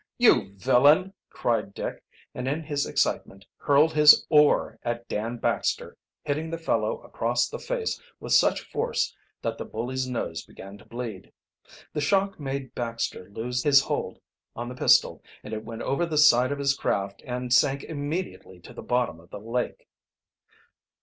"You villain!" cried Dick, and in his excitement hurled his oar at Dan Baxter, hitting the fellow across the fact with such force that the bully's nose began to bleed. The shock made Baxter lose his hold on the pistol and it went over the side of his craft and sank immediately to the bottom of the lake.